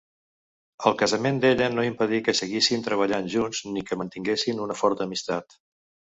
El casament d'ella no impedí que seguissin treballant junts ni que mantinguessin una forta amistat.